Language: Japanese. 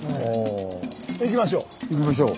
行きましょう。